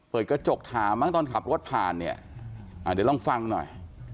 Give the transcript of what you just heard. เปิดกระจกถามมั้งตอนขับรถผ่านเนี่ยเดี๋ยวลองฟังหน่อย